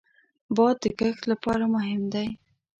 باد د کښت لپاره مهم دی